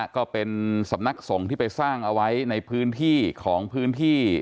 ก็เป็นสำนักสงฆ์ที่ไปสร้างเอาไว้ในพื้นที่ของพื้นที่